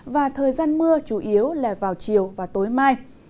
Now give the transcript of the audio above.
và thời gian mưa chủ yếu là vào chiều và tối mai